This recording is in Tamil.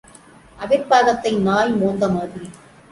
அவிர்ப் பாகத்தை நாய் மோந்த மாதிரி.